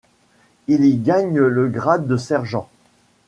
Il y gagne le grade de sergent.